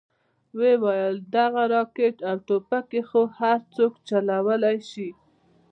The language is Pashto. ويې ويل دغه راکټ او ټوپکې خو هرسوک چلوې شي.